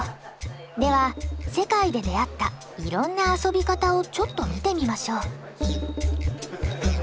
では世界で出会ったいろんな遊び方をちょっと見てみましょう。